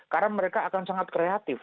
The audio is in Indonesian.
karena mereka akan sangat kreatif